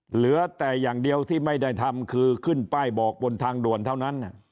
เหลือแต่อย่างเดียวที่ไม่ได้ทำคือขึ้นป้ายบอกบนทางด่วนเท่านั้น